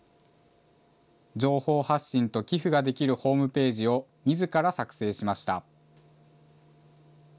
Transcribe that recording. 情報発信と寄付ができるホームページをみずから作成しました。